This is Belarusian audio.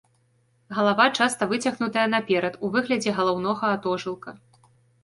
Галава часта выцягнутая наперад у выглядзе галаўнога атожылка.